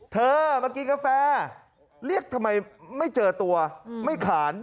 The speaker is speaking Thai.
เธอมากินกาแฟเรียกทำไมไม่เจอตัวไม่ขาน